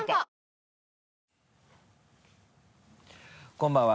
こんばんは。